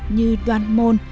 như đoàn môn